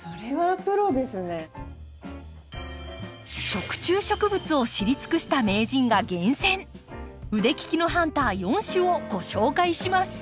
食虫植物を知り尽くした名人が厳選腕利きのハンター４種をご紹介します。